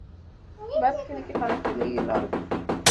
په کلي کې خلک په پلي لارو ګرځي.